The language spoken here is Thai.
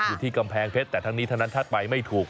อยู่ที่กำแพงเพชรแต่ทั้งนี้ทั้งนั้นถ้าไปไม่ถูก